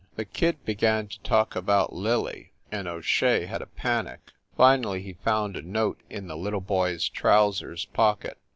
The kid began to talk about "Lily" and O Shea had a panic. Finally, he found a note in the little boy s trousers pocket.